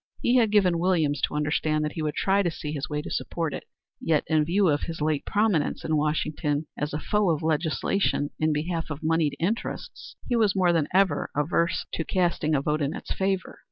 He had given Williams to understand that he would try to see his way to support it; yet in view of his late prominence in Washington, as a foe of legislation in behalf of moneyed interests, he was more than ever averse to casting a vote in its favor.